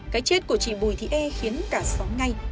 cái chết của chị bùi thị e khiến cả xóm ngay